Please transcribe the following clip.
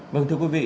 vâng thưa quý vị